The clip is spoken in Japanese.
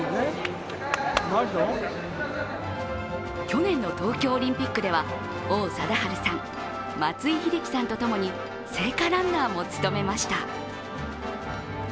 去年の東京オリンピックでは王貞治さん、松井秀喜さんと共に聖火ランナーも務めました。